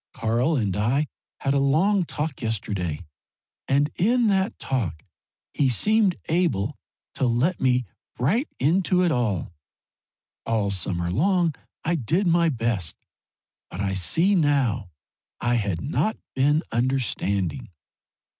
Karl and I had a long talk yesterday, and in that talk he seemed able to let me right into it all. All summer long I did my best, but I see now I had not been understanding.